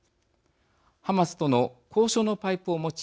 ハマスとの交渉のパイプを持ち